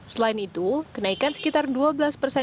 selain itu kenaikan sekitar rp dua belas juta